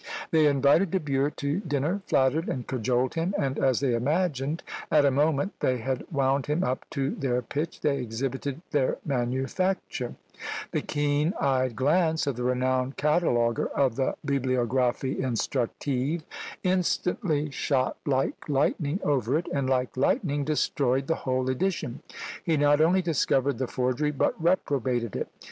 They invited De Bure to dinner, flattered and cajoled him, and, as they imagined, at a moment they had wound him up to their pitch, they exhibited their manufacture; the keen eyed glance of the renowned cataloguer of the "Bibliographie Instructive" instantly shot like lightning over it, and, like lightning, destroyed the whole edition. He not only discovered the forgery, but reprobated it!